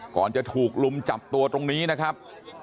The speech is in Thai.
ก่อนจะถูกลุมจับตัวตรงนี้นะครับ